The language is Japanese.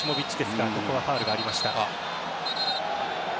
ファウルがありました。